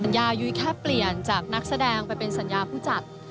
ยายยุ้ยแค่เปลี่ยนจากนักแสดงไปเป็นสัญญาผู้จัด